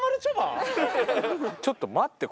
ちょっと待って。